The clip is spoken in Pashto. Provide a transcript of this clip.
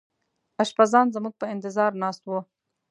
اشپزان زموږ په انتظار ناست وو.